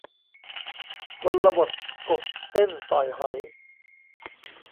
กลบทกบเต้นต่อยหอย